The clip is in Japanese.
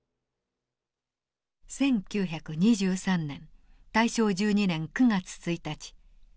１９２３年大正１２年９月１日。